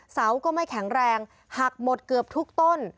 เสาก็ไม่แข็งแรงหักหมดเกือบทุกต้น